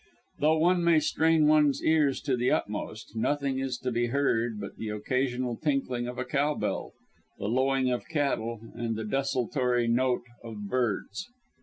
Though one may strain one's ears to the utmost, nothing is to be heard but the occasional tinkling of a cow bell, the lowing of cattle and the desultory note of birds.